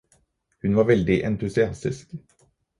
Hun var veldig entusiastisk.